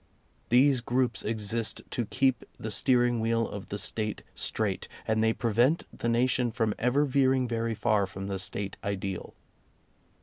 These groups exist to keep the steering wheel of the State straight, and they prevent the nation from ever veering very far from the State ideal.